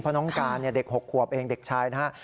เพราะน้องการเด็ก๖ขวบเองเด็กชายนะฮะ